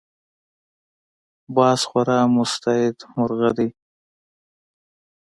باز خورا مستعد مرغه دی